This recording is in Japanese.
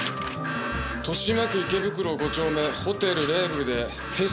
豊島区池袋５丁目ホテルレーブルで変死体です。